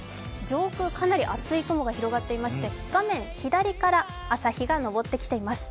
上空、かなり厚い雲が広がっていまして、画面左から朝日が昇ってきています。